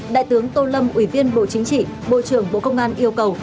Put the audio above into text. đại tướng tô lâm ủy viên bộ chính trị bộ trưởng bộ công an yêu cầu